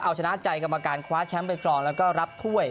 เอาชนะใจกรรมการคว้าแชมป์ไปกรองแล้วก็รับถ้วย